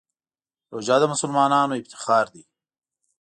روژه د مسلمانانو افتخار دی.